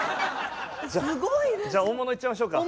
じゃあ大物いっちゃいましょうか。